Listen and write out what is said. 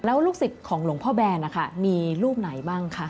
แล้วลูกศิษย์ของหลวงพ่อแบนนะคะมีรูปไหนบ้างคะ